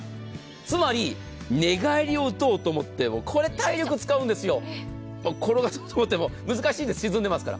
つまり寝返りを打とうと思ってもこれ体力使うんですよ、転がろうと思っても難しいです、沈んでるから。